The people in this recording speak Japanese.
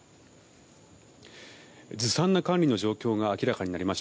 ずさんな管理の状況が明らかになりました